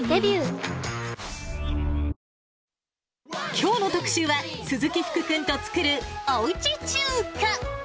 きょうの特集は、鈴木福君と作る、おうち中華。